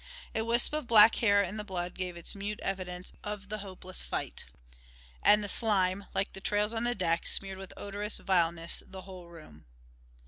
A wisp of black hair in the blood gave its mute evidence of the hopeless fight. And the slime, like the trails on the deck, smeared with odorous vileness the whole room.